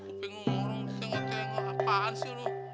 kau kek kuping ngurung tengok tengok apaan sih lu